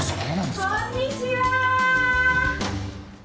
・こんにちは。